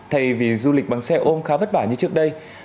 thay vì du lịch bằng xe ôm khá vất vả như trước đây